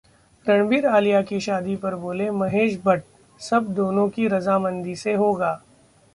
रणबीर-आलिया की शादी पर बोले महेश भट्ट, 'सब दोनों की रजामंदी से होगा'